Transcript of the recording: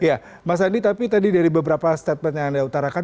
ya mas andi tapi tadi dari beberapa statement yang anda utarakan